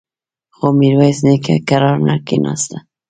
خو ميرويس نيکه کرار نه کېناسته.